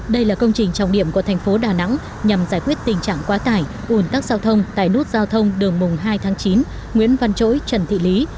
đây là công trình trọng điểm của thành phố đà nẵng nhằm giải quyết tình trạng quá tải un tắc giao thông tại nút giao thông đường mùng hai tháng chín nguyễn văn chối trần thị lý